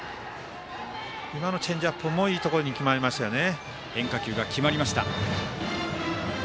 今のチェンジアップもいいところに決まりましたよね。